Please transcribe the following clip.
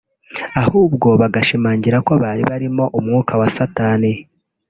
ahubwo bagashimangiraga ko bari barimo umwuka wa Satani